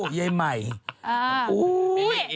เจอกันอะไรอย่างนี้